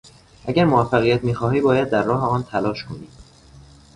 اگر موفقیت میخواهی باید در راه آن تلاش کنی.